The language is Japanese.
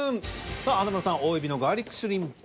さあ華丸さん「大海老のガーリックシュリンプ」。